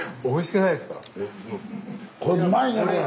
これうまいねこれ！